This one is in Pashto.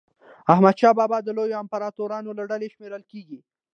حمدشاه بابا د لویو امپراطورانو له ډلي شمېرل کېږي.